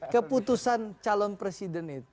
keputusan calon presiden itu